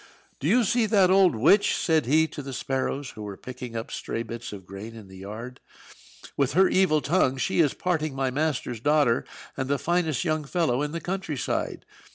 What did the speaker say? "Do you see that old witch?" said he to the sparrows, who were picking up stray bits of grain in the yard. "With her evil tongue she is parting my master's daughter and the finest young fellow in the country side.